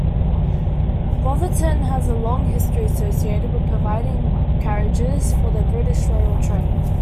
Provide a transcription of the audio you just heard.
Wolverton has a long history associated with providing carriages for the British Royal Train.